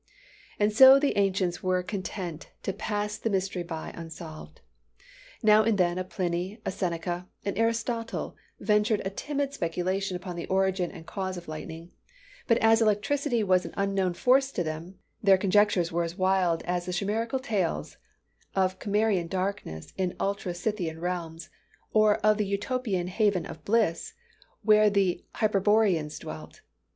And so the ancients were content to pass the mystery by, unsolved. Now and then a Pliny, a Seneca, an Aristotle, ventured a timid speculation upon the origin and cause of lightning, but as electricity was an unknown force to them, their conjectures were as wild as the chimærical tales of Cimmerian darkness in ultra Scythian realms, or of the Utopian haven of bliss, where the Hyperboreans dwelt.